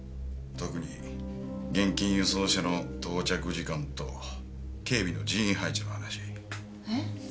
特に現金輸送車の到着時間と警備の人員配置の話。え？